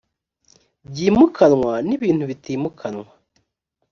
byimukanwa n ibintu bitimukanwa